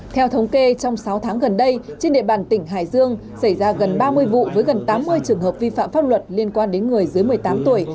theo thống kê trong sáu tháng gần đây trên địa bàn tỉnh hải dương xảy ra gần ba mươi vụ với gần tám mươi trường hợp vi phạm pháp luật liên quan đến người dưới một mươi tám tuổi